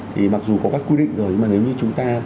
thì mặc dù có các quy định rồi nhưng mà nếu như chúng ta